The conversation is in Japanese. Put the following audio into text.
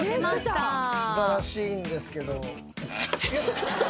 素晴らしいんですけど。